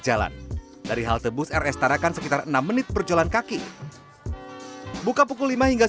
jalan dari halte bus rs tarakan sekitar enam menit berjalan kaki buka pukul lima hingga